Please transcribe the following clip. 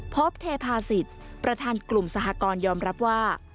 พบเทพาศิษย์ประธานกลุ่มสหกรยอมรับว่า